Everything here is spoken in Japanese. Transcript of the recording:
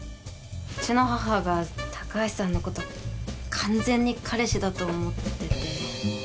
うちの母が高橋さんのこと完全に彼氏だと思ってて。